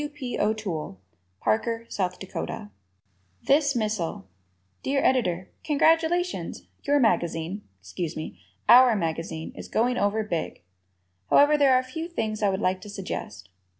W. P. O'Toole, Parker, S. Dak. "This Missile" Dear Editor: Congratulations! Your magazine excuse me, "our" magazine is going over big! However, there are a few things I would like to suggest.